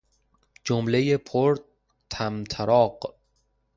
جملهُ پرطمطراق